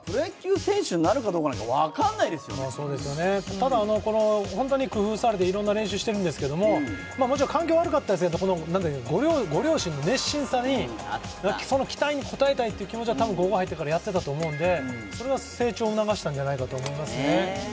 ただ、本当に工夫されていろんな練習してるんですけど、もちろん環境が悪かったせいで、ご両親の熱心さに、その期待に応えたいって気持ちで高校入ってからやっていたと思うんで、それが成長を促したんじゃないかと思いますね。